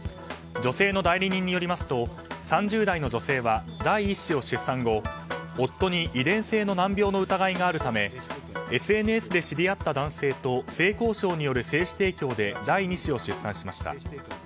女性の代理人によりますと３０代の女性は第１子を出産後夫に遺伝性の難病の疑いがあるためＳＮＳで知り合った男性と性交渉による精子提供で第２子を出産しました。